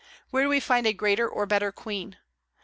Where do we find a greater or a better queen?